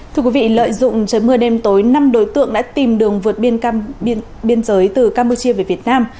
thưa quý vị lợi dụng trời mưa đêm tối năm đối tượng đã tìm đường vượt biên giới từ campuchia về việt nam